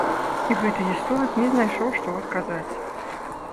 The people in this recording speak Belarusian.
І гэты гісторык не знайшоў што адказаць.